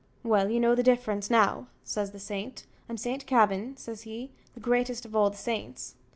"Well, you know the difference now," says the saint. "I'm Saint Kavin," says he, "the greatest of all the saints."